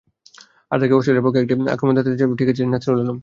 তার আগে অবশ্য অস্ট্রেলিয়ার একটি আক্রমণ দাঁতে দাঁত চেপেই ঠেকিয়েছিলেন নাসিরুল আলম।